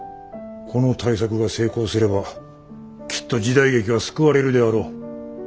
この大作が成功すればきっと時代劇は救われるであろう。